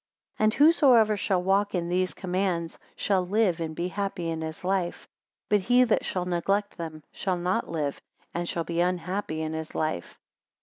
23 And whosoever shall walk in these commands, shall live, and be happy in his life. But he that shall neglect them, shall not live, and shall be unhappy in his life.